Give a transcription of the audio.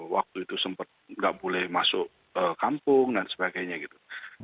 waktu itu sempat nggak boleh masuk kampung dan sebagainya gitu